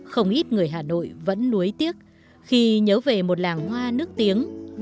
không ít người hà nội vẫn nuối tiếc khi nhớ về một làng hoa nước tiếng